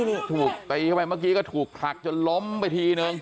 เมื่อกี้ก็ถูกขัดจนล้มไปทีนึง